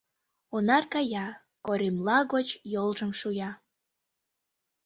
Онар кая, коремла гоч йолжым шуя